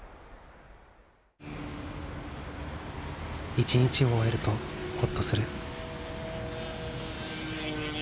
一日を終えるとホッとする。